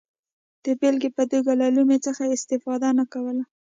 د بېلګې په توګه له لومې څخه استفاده نه کوله.